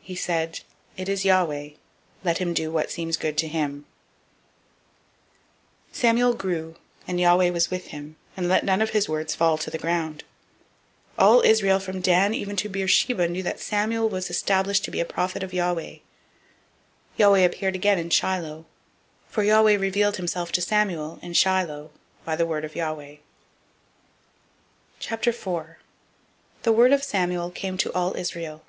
He said, It is Yahweh: let him do what seems him good. 003:019 Samuel grew, and Yahweh was with him, and did let none of his words fall to the ground. 003:020 All Israel from Dan even to Beersheba knew that Samuel was established to be a prophet of Yahweh. 003:021 Yahweh appeared again in Shiloh; for Yahweh revealed himself to Samuel in Shiloh by the word of Yahweh. 004:001 The word of Samuel came to all Israel.